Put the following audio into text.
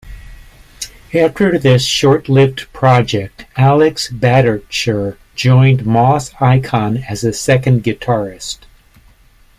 After this short lived project Alex Badertscher joined Moss Icon as a second guitarist.